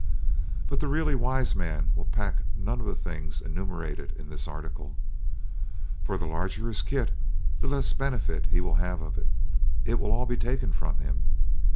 But the really wise man will pack none of the things enumerated in this article. For the larger his kit, the less benefit he will have of it. It will all be taken from him.